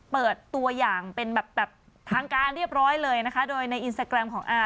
เปิดตัวอย่างเป็นแบบทางการเรียบร้อยเลยนะคะโดยในอินสตาแกรมของอาร์